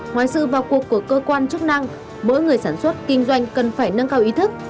ngoài sự vào cuộc của cơ quan chức năng mỗi người sản xuất kinh doanh cần phải nâng cao ý thức